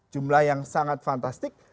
jumlah yang sangat fantastis